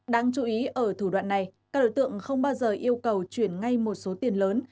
đáng chú ý ở thủ đoạn này các đối tượng không bao giờ yêu cầu chuyển ngay một số tiền lớn